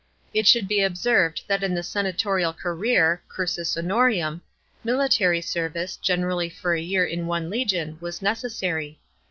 It should be observed that in the senatorial career (cursus honorum) military bervice (generally for a year in one legion) was necessary.